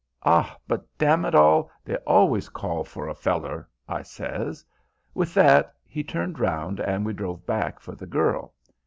'Ah, but dammit all, they always call for a feller' I says. With that he turned round and we drove back for the girl.